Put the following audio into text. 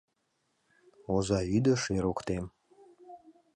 Оза йӱде шер ок тем.